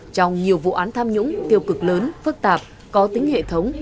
trong nhiều vụ án tham nhũng tiêu cực lớn phức tạp có tính hệ thống